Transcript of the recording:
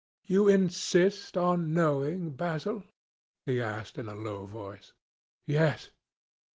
"You insist on knowing, Basil?" he asked in a low voice. "Yes."